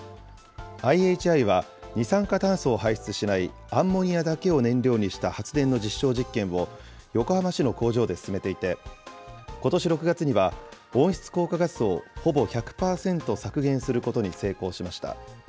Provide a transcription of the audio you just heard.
ＩＨＩは二酸化炭素を排出しないアンモニアだけを燃料にした発電の実証実験を横浜市の工場で進めていて、ことし６月には、温室効果ガスをほぼ１００％削減することに成功しました。